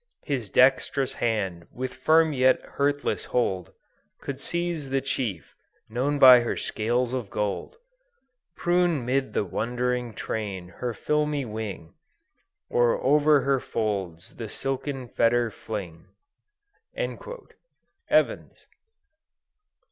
His dextrous hand, with firm yet hurtless hold, Could seize the chief, known by her scales of gold, Prune 'mid the wondering train her filmy wing, Or o'er her folds the silken fetter fling." _Evans.